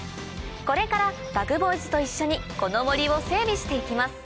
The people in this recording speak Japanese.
これからＢｕｇＢｏｙｓと一緒にこの森を整備していきます